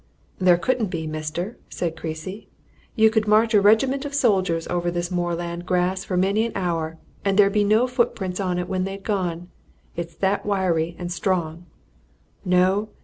"There couldn't be, mister," said Creasy. "You could march a regiment of soldiers over this moorland grass for many an hour, and there'd be no footprints on it when they'd gone it's that wiry and strong. No!